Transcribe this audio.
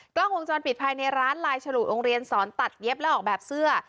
กล้องวงจรปิดภายในร้านลายฉลุโรงเรียนสอนตัดเย็บและออกแบบเสื้อ